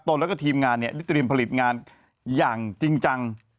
แล้วก็ทีมงานได้เตรียมผลิตงานอย่างจริงจัง